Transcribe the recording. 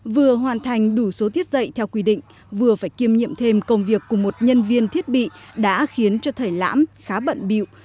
vừa hoàn thành đủ số thiết dạy theo quy định vừa phải kiêm nhiệm thêm công việc của một nhân viên thiết bị đã khiến cho thầy lãm khá bận biệu